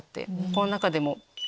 この中でも。